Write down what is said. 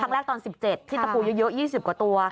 ทั้งแรกตอนสิบเจ็ดที่ตะปูเยอะยี่สิบกว่าตัว